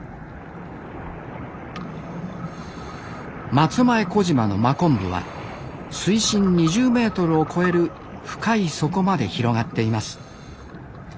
松前小島の真昆布は水深２０メートルを超える深い底まで広がっています